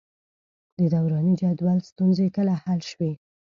د دوراني جدول ستونزې کله حل شوې؟